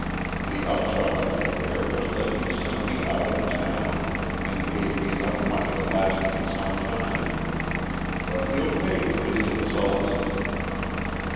The upshot of the affair was that he sent me out of town and gave me enough money to last me some time. But he'll pay for his insults!"